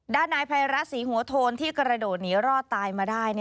ด้านนายภัยรัฐศรีหัวโทนที่กระโดดหนีรอดตายมาได้